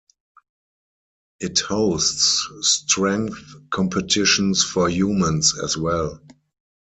It hosts strength competitions for humans as well.